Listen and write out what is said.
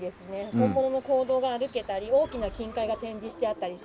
本物の坑道が歩けたり大きな金塊が展示してあったりします。